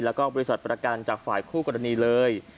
แล้วก็บริษัทประกันจากฝ่ายคู่กรณีเลย